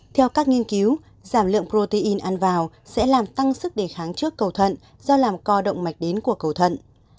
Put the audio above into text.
theo các nghiên cứu giảm lượng protein ăn vào sẽ làm tăng sức đề kháng trước cầu thận